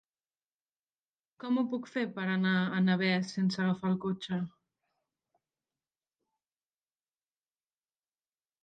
Com ho puc fer per anar a Navès sense agafar el cotxe?